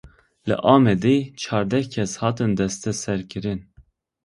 Li Amedê çardeh kes hatin desteserkirin.